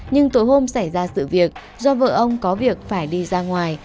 nhưng tối hôm xảy ra sự việc do vợ ông có việc phải đi ra ngoài